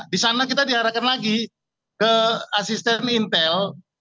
di sana kita diarahkan lagi ke asisten intel